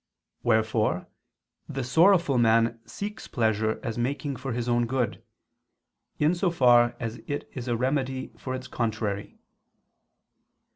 Wherefore the sorrowful man seeks pleasure as making for his own good, in so far as it is a remedy for its contrary.